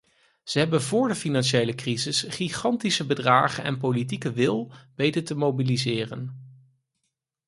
Ze hebben voor de financiële crisis gigantische bedragen en politieke wil weten te mobiliseren.